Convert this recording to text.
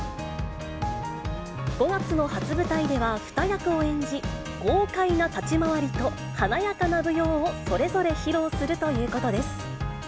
５月の初舞台では、２役を演じ、豪快な立ち回りと華やかな舞踊をそれぞれ披露するということです。